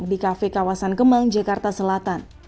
di kafe kawasan kemang jakarta selatan